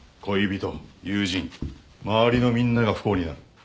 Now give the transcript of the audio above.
恋人友人周りのみんなが不幸になる。